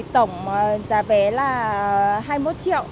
tổng giá vé là hai mươi một triệu